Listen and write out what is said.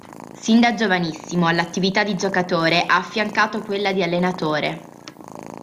Sin da giovanissimo, all'attività di giocatore ha affiancato quella di allenatore.